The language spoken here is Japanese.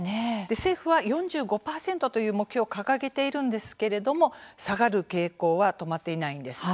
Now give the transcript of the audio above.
政府は４５％という目標を掲げているんですけれども下がる傾向は止まっていないんです。